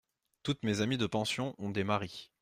Toutes mes amies de pension ont des maris.